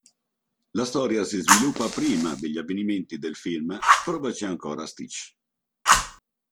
La storia si sviluppa prima degli avvenimenti del film "Provaci ancora Stitch!